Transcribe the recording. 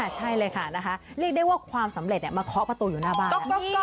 ใช่เลยค่ะเรียกได้ว่าความสำเร็จมาเคาะประตูอยู่หน้าบ้าน